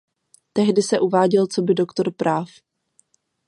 Tehdy se uváděl coby doktor práv.